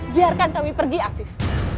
biarkan kami pergi afif